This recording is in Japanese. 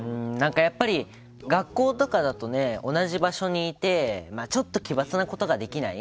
やっぱり学校とかだと同じ場所にいてちょっと奇抜なことができない。